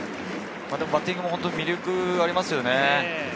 バッティングも魅力ありますよね。